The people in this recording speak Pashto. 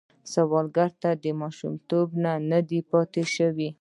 سوالګر ته ماشومتوب نه دی پاتې شوی